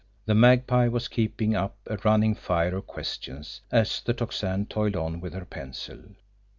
The Magpie was keeping up a running fire of questions, as the Tocsin toiled on with her pencil.